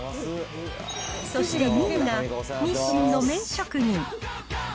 そして２位が、日清の麺職人。